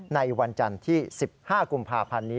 ในวันจันทร์ที่๑๕กุมภาพันธ์นี้